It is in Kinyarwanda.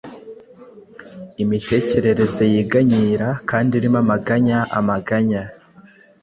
Imitekerereze yiganyira kandi irimo amaganya Amaganya